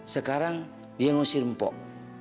sekarang dia ngusir mpok